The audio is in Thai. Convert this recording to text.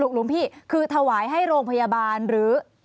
หลวงพี่คือถวายให้โรงพยาบาลหรือ